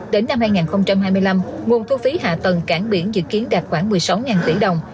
đến năm hai nghìn hai mươi năm nguồn thu phí hạ tầng cảng biển dự kiến đạt khoảng một mươi sáu tỷ đồng